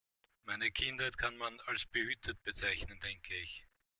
Meine Kindheit kann man als behütet bezeichnen, denke ich.